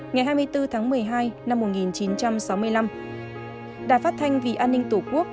ngày hai mươi bốn tháng một mươi hai năm một nghìn chín trăm sáu mươi năm đài phát thanh vì an ninh tổ quốc